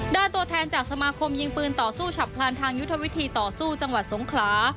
ตัวแทนจากสมาคมยิงปืนต่อสู้ฉับพลันทางยุทธวิธีต่อสู้จังหวัดสงขลา